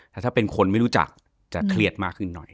แต่ถ้าเป็นคนไม่รู้จักจะเครียดมากขึ้นหน่อย